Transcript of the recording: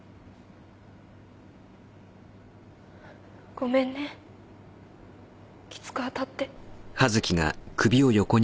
ごめんねきつく当たって。